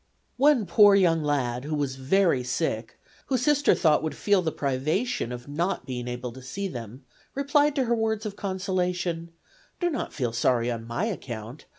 One poor young lad, Who was very sick, who Sister thought would feel the privation of not being able to see them, replied to her words of consolation: 'Do not feel sorry on my account.